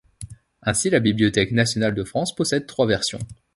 Ainsi la Bibliothèque nationale de France possède trois versions.